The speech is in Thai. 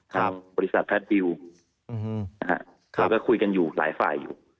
ทางบริษัทแพทย์ดิวเราก็คุยกันอยู่หลายฝ่ายอยู่